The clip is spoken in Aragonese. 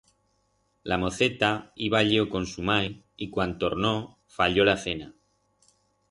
La moceta i vayió con su mai y cuan tornó, fayió la cena.